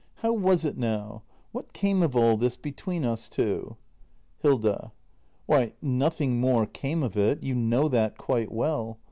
How w a s it now ? What came of all this — between us two ? Hilda. Why, nothing more came of it. You know that quite well.